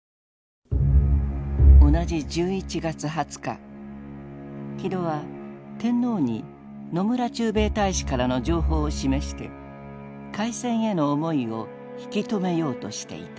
同じ１１月２０日木戸は天皇に野村駐米大使からの情報を示して開戦への思いを引き止めようとしていた。